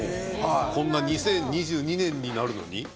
こんな２０２２年になるのに？